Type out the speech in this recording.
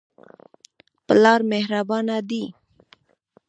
پلار مهربانه دی.